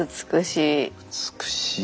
美しい。